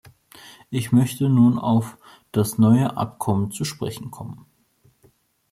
Ich möchte nun auf das neue Abkommen zu sprechen kommen.